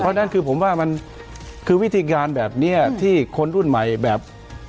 เพราะฉะนั้นคือผมว่ามันคือวิธีการแบบนี้ที่คนรุ่นใหม่แบบ